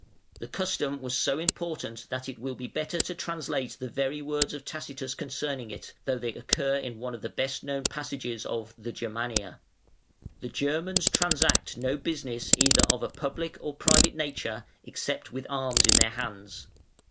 The custom was so important that it will be better to translate the very words of Tacitus concerning it, though they occur in one of the best known passages of the "Germania". "The Germans transact no business either of a public or private nature except with arms in their hands.